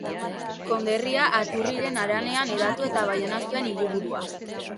Konderria Aturriren haranean hedatu eta Baiona zuen hiriburua.